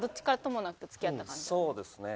そうですね。